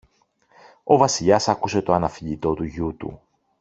ο Βασιλιάς άκουσε το αναφιλητό του γιου του.